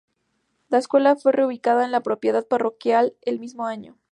La escuela fue reubicada en la propiedad parroquial el mismo año.